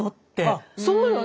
あそうよね。